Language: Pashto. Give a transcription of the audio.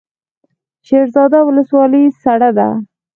شیرزاد ولسوالۍ سړه ده؟